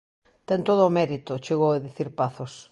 Ten todo o mérito, chegou a dicir Pazos.